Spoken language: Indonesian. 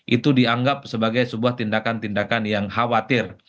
itu dianggap sebagai sebuah tindakan tindakan yang khawatir